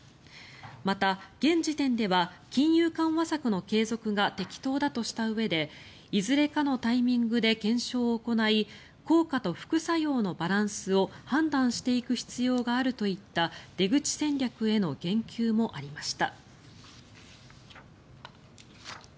また、現時点では金融緩和策の継続が適当だとしたうえでいずれかのタイミングで検証を行い効果と副作用のバランスを判断していく必要があるといった出口戦略への言及もありました。